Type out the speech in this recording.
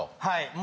はい。